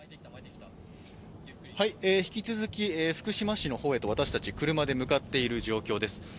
引き続き福島市の方へと私たち車で向かっている状況です。